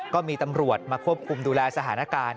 ก็มีตำรวจมาควบคุมดูแลสถานการณ์